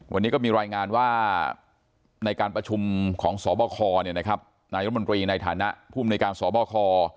วันนี้ก็มีรายงานว่าในการประชุมของสบคนายรมนตรีในฐานะภูมิในการสบค